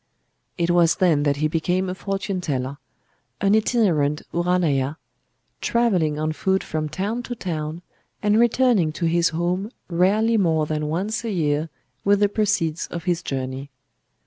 It was then that he became a fortune teller,—an itinerant uranaiya,—travelling on foot from town to town, and returning to his home rarely more than once a year with the proceeds of his journey.